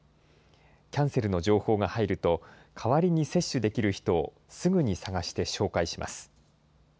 キャンセルの情報が入ると、代わりに接種できる人をすぐに探して紹介します。